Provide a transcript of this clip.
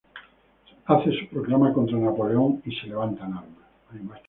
Hace su proclama contra Napoleón y se levanta en armas.